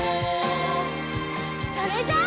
それじゃあ。